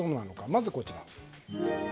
まずこちら。